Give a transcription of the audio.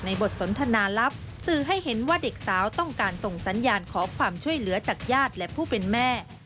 บทสนทนาลับสื่อให้เห็นว่าเด็กสาวต้องการส่งสัญญาณขอความช่วยเหลือจากญาติและผู้เป็นแม่